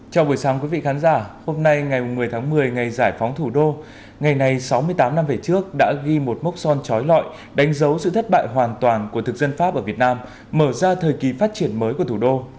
chào buổi sáng quý vị khán giả hôm nay ngày một mươi tháng một mươi ngày giải phóng thủ đô ngày này sáu mươi tám năm về trước đã ghi một mốc son trói lọi đánh dấu sự thất bại hoàn toàn của thực dân pháp ở việt nam mở ra thời kỳ phát triển mới của thủ đô